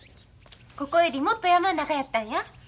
ここよりもっと山ん中やったんや。